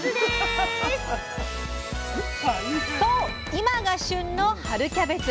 いまが旬の「春キャベツ」！